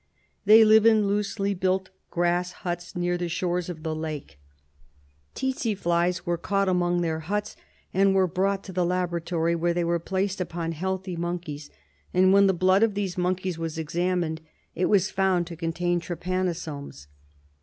They live in loosely built grass huts near the shores of the lake." Tsetse flies SLEEPING SICKNESS 33 were caught among their huts and were brought to the laboratory, where they were placed upon healthy monkeys, and when the blood of these monkeys was examined later, it was found to contain trypanosomes.